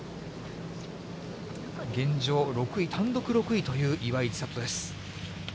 現状６位、単独６位という岩井千怜です。